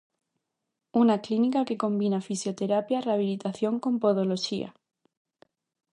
Unha clínica que combina fisioterapia e rehabilitación con podoloxía.